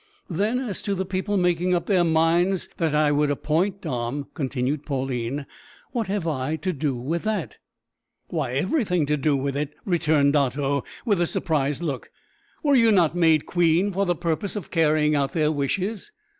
Then as to the people making up their minds that I would appoint Dom," continued Pauline, "what have I to do with that?" "Why, everything to do with it," returned Otto, with a surprised look. "Were you not made queen for the purpose of carrying out their wishes?"